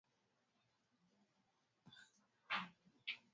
viongozi tunaowapa majukumu madaraka